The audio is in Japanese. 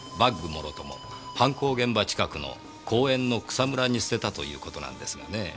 もろとも現場近くの公園の草むらに捨てたということなんですがねえ。